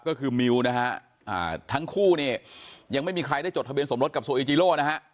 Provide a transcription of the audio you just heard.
ก็คือมิวนะฮะทั้งคู่เนี่ยยังไม่มีใครได้จดทะเบียนสมรสกับโซอิจิโร่นะฮะ